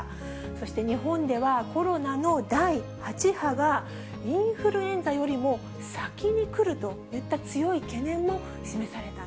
そして日本では、コロナの第８波がインフルエンザよりも先に来るといった強い懸念